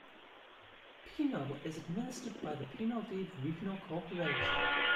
Penal is administered by the Penal-Debe Regional Corporation.